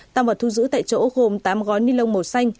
tăng vật thu giữ tại chỗ gồm tám gói ni lông màu xanh